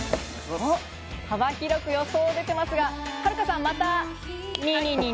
幅広く予想でてますが、はるかさんまた２２２２。